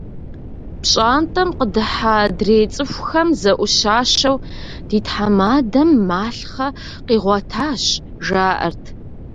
ПщӀантӀэм къыдыхьа адрей цӀыхухэм зэӀущащэу: «Ди тхьэмадэм малъхъэ къигъуэтащ», – жаӀэрт.